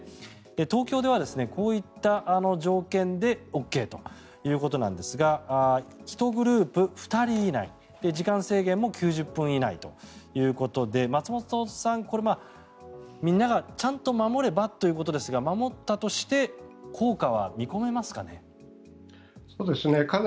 東京ではこういった条件でＯＫということなんですが１グループ２人以内時間制限も９０分以内ということで松本さん、みんながちゃんと守ればということですが守ったとして効果は見込めますかね？